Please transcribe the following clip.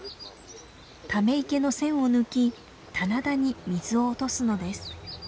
ため池の栓を抜き棚田に水を落とすのです。